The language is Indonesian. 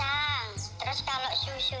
terus kalau susunya pakai susu